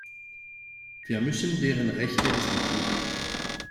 Wir müssen deren Rechte respektieren.